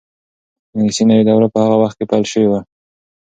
د انګلیسي نوې دوره په هغه وخت کې پیل شوې وه.